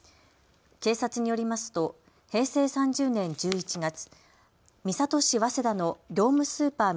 警察によりますと平成３０年１１月、三郷市早稲田の業務スーパー